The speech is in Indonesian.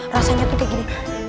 rasanya tuh kayak gini